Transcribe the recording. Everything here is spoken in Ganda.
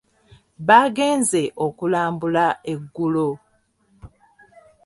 Baagenze okulambula eggulo.